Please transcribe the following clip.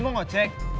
lu mau ngecek